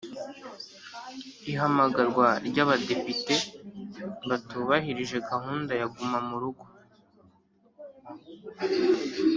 Ihamagarwa ry Abadepite batubahirije gahunda ya guma mu rugo